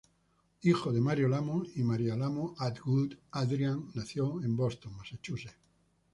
Hijo de Mario Lamo y Mary Lamo-Atwood, Adrián nació en Boston, Massachusetts.